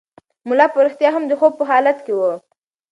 ملا په رښتیا هم د خوب په حالت کې و.